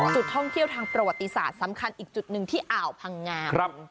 จุดท่องเที่ยวทางประวัติศาสตร์สำคัญอีกจุดหนึ่งที่อ่าวพังงาม